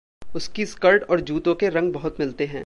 उसकी स्कर्ट और जूतों के रंग बहुत मिलते हैं।